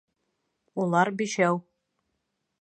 Улар бишәү.